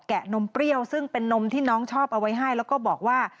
ะนมเปรี้ยวซึ่งเป็นนมที่น้องชอบเอาไว้ให้แล้วก็บอกว่า